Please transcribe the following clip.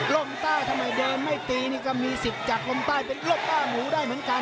ใต้ทำไมเดินไม่ตีนี่ก็มีสิทธิ์จากลมใต้เป็นร่มป้าหมูได้เหมือนกัน